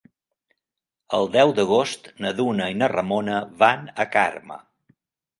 El deu d'agost na Duna i na Ramona van a Carme.